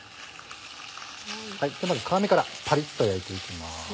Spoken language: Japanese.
まず皮目からパリっと焼いていきます。